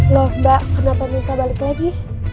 loh mbak kenapa minta balik lagi